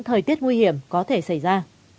thời tiết nguy hiểm có thể xảy ra